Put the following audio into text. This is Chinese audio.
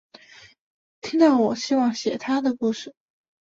听到我希望写她的故事